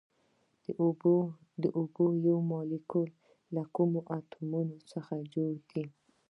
د اوبو یو مالیکول له کومو اتومونو څخه جوړ دی